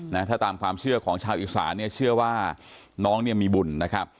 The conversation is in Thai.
นะถ้าตามความเชื่อของชาวอีสานเนี่ยเชื่อว่าน้องเนี่ยมีบุญนะครับ